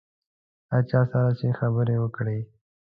هر چا سره چې خبره وکړې.